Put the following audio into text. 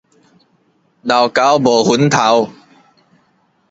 老猴無粉頭